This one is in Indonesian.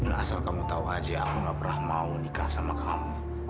asal kamu tahu aja aku gak pernah mau nikah sama kamu